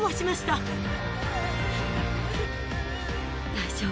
大丈夫。